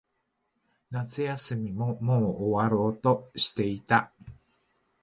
夏休みももう終わろうとしていた。